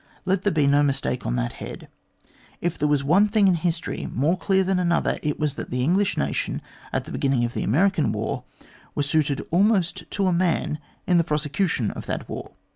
Let there be no mistake on that head. If there was one thing in history more clear than another, it was that the English nation, at the beginning of the American war, were united almost to a man in the prosecution of that war.